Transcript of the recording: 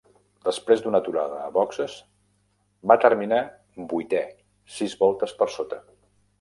Després d'una aturada a boxs, va terminar vuitè, sis voltes per sota.